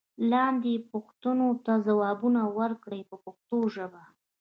لاندې پوښتنو ته ځواب ورکړئ په پښتو ژبه.